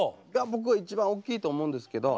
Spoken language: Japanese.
僕は一番大きいと思うんですけど